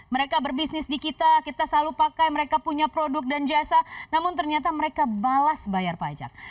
mereka berbisnis di kita kita selalu pakai mereka punya produk dan jasa namun ternyata mereka balas bayar pajak